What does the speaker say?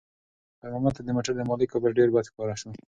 خیر محمد ته د موټر د مالک کبر ډېر بد ښکاره شو.